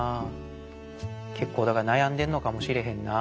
けっこうだからなやんでんのかもしれへんな。